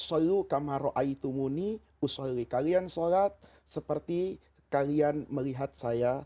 seperti kalian melihat saya